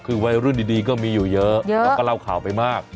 คือวัยรุ่นดีก็มีอยู่เยอะแล้วก็เล่าข่าวไปมาก